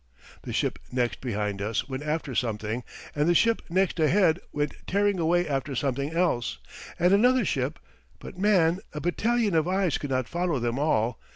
The ship next behind us went after something; and the ship next ahead went tearing away after something else, and another ship but, man, a battalion of eyes could not follow them all.